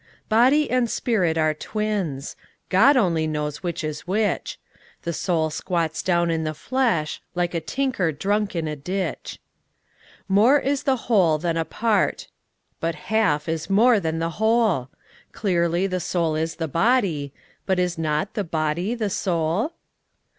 Body and spirit are twins: God only knows which is which: The soul squats down in the flesh, like a tinker drunk in a ditch. More is the whole than a part: but half is more than the whole: Clearly, the soul is the body: but is not the body the soul?